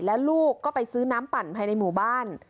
แล้วลูกก็ไปซื้อน้ำปั่นภายในหมู่บ้าน